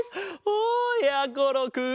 おやころくん。